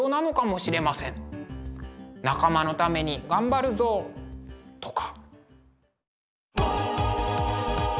仲間のために頑張るぞ！とか。